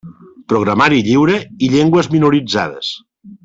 Programari lliure i llengües minoritzades.